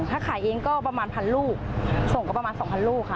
ถ้าขายเองก็ประมาณพันลูกส่งก็ประมาณ๒๐๐ลูกค่ะ